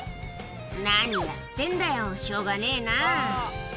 何やってんだよ、しょうがねぇな。